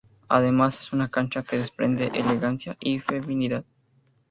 Además es una chica que desprende elegancia y feminidad.